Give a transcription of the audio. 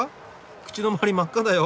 口のまわり真っ赤だよ。